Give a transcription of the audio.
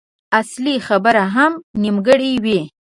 اصلي خبره هم نيمګړې وه.